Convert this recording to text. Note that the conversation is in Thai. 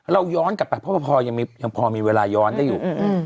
เราย้อนกลับไปเพราะว่าพอยังพอมีเวลาย้อนได้อยู่